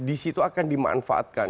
di situ akan dimanfaatkan